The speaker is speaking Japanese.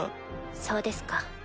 そうですか。